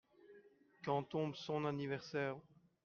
Quand tombe son anniversaire ?